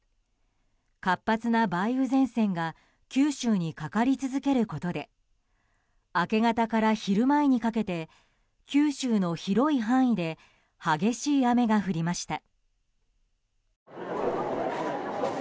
活発な梅雨前線が九州にかかり続けることで明け方から昼前にかけて九州の広い範囲で激しい雨が降りました。